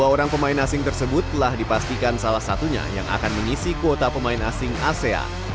dua orang pemain asing tersebut telah dipastikan salah satunya yang akan mengisi kuota pemain asing asean